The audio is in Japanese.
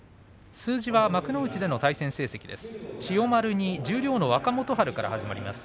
数字は幕内での対戦成績です。